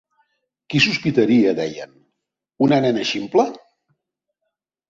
Qui sospitaria, deien, una nena ximple?